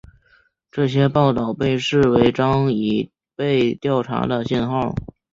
这些报道被视为张已被调查的信号。